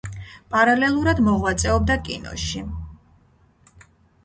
პარალელურად მოღვაწეობდა კინოში.